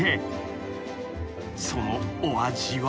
［そのお味は］